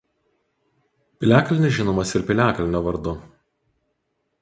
Piliakalnis žinomas ir "Piliakalnio" vardu.